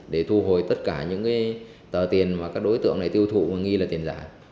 để thu hồi tất cả những tờ tiền mà các đối tượng này tiêu thụ mà nghi là tiền giả